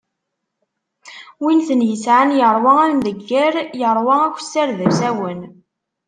Wi ten-yesεan yeṛwa amdegger, yeṛwa akkessar d usawen.